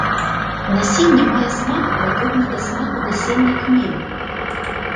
Насенне мае смак, падобны да смаку насення кмену.